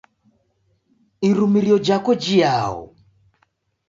Irumirio jhako jiao?